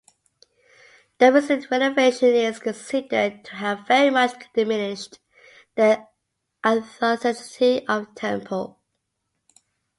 The recent renovation is considered to have "very much diminished the authenticity of temple".